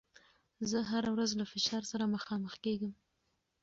زه هره ورځ له فشار سره مخامخېږم.